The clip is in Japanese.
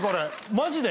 マジで？